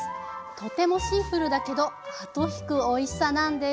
とてもシンプルだけど後引くおいしさなんです。